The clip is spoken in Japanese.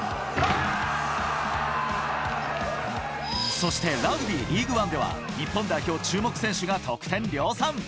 そして、ラグビーリーグワンでは、日本代表注目選手が得点量産。